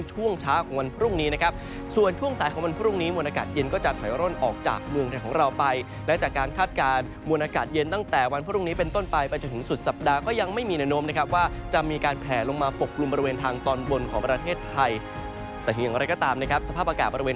ช่วงเช้าของวันพรุ่งนี้นะครับส่วนช่วงสายของวันพรุ่งนี้มวลอากาศเย็นก็จะถอยร่นออกจากเมืองไทยของเราไปและจากการคาดการณ์มวลอากาศเย็นตั้งแต่วันพรุ่งนี้เป็นต้นไปไปจนถึงสุดสัปดาห์ก็ยังไม่มีแนะนำนะครับว่าจะมีการแผลลงมาปกกลุ่มบริเวณทางตอนบนของประเทศไทยแต่อย่างไรก็ตามนะครับสภาพอากาศบริเวณ